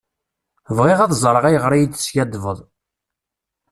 Bɣiɣ ad ẓreɣ ayɣer i iyi-d-teskaddbeḍ.